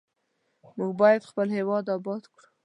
موږ باید خپل هیواد آباد کړو.